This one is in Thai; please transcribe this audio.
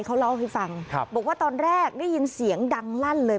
เขาเล่าให้ฟังบอกว่าตอนแรกได้ยินเสียงดังลั่นเลย